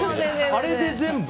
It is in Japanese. あれで全部？